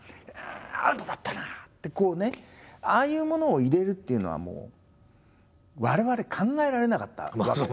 アウトだったな！ってこうねああいうものを入れるっていうのはもう我々考えられなかったわけです。